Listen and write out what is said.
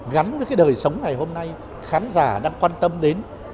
gắn với cái đời sống ngày hôm nay khán giả đang quan tâm đến